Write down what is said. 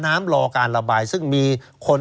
รอการระบายซึ่งมีคน